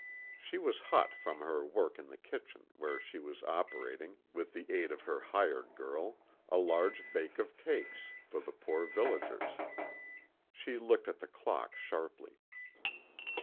She was hot from her work in the kitchen, where she was operating, with the aid of her "hired" girl, a large bake of cakes for the poorer villagers. She looked at the clock sharply.